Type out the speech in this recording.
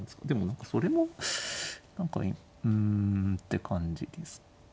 でも何かそれも何かうんって感じですかね。